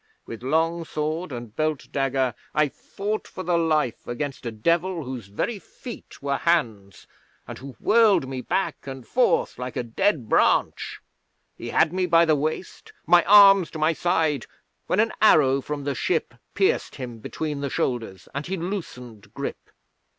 With long sword and belt dagger I fought for the life against a Devil whose very feet were hands, and who whirled me back and forth like a dead branch. He had me by the waist, my arms to my side, when an arrow from the ship pierced him between the shoulders, and he loosened grip.